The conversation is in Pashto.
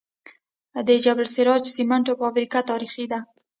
د جبل السراج سمنټو فابریکه تاریخي ده